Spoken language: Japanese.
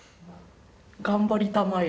頑張りたまえ。